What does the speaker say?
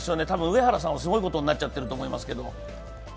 多分、上原さんもすごいことになってると思いますけど。